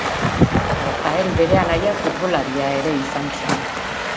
Rafael bere anaia futbolaria ere izan zen.